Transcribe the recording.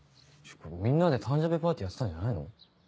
みんなで誕生日パーティーやってたんじゃないの？